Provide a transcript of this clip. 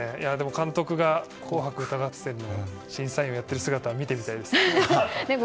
監督が「紅白歌合戦」の審査員をやっている姿を見てみたいですね。